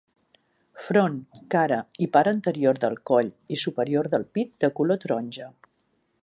Front, cara i part anterior del coll i superior del pit de color taronja.